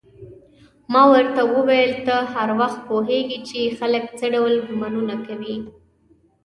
ما ورته وویل: ته هر وخت پوهېږې چې خلک څه ډول ګومانونه کوي؟